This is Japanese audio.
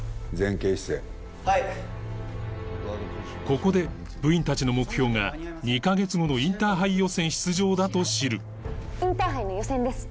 ここで部員たちの目標が２カ月後のインターハイ予選出場だと知るインターハイの予選です。